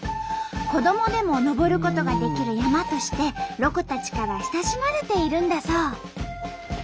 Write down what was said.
子どもでも登ることができる山としてロコたちから親しまれているんだそう。